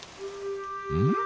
うん？